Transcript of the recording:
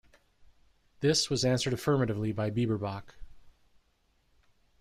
This was answered affirmatively by Bieberbach.